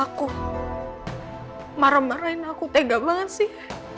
aku marah marahin aku tega banget sih